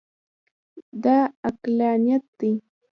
دا عقلانیت دی.